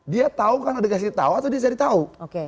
dia tahu karena dikasih tahu atau dia cari tahu